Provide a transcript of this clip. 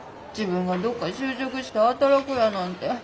自分がどっか就職して働くやなんて。